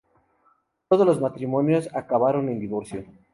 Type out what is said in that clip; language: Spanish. Todos los matrimonios acabaron en divorcio.